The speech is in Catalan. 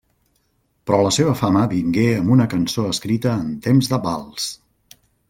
Però la seva fama vingué amb una cançó escrita en temps de vals.